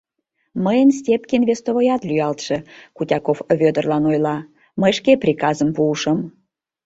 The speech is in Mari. — Мыйын Степкин вестовоят лӱялтше, — Кутяков Вӧдырлан ойла, — мый шке приказым пуышым.